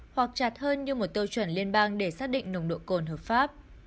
hoặc chặt hơn như một tiêu chuẩn liên bang để xác định nồng độ cồn hợp pháp